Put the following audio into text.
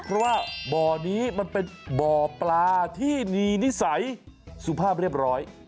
เพราะว่าบ่อนี้มันเป็นบ่อปลาที่มีนิสัยสุภาพเรียบร้อย